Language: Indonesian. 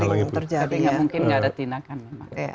jadi mungkin tidak ada tindakan